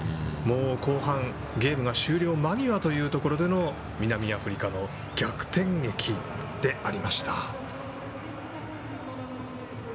後半、ゲームの終了間際での南アフリカの逆転劇でありました。